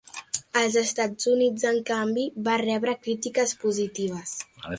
Als Estats Units, en canvi, va rebre crítiques positives.